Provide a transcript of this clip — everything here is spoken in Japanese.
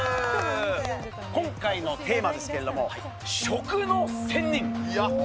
今回のテーマですけれども、食の仙人。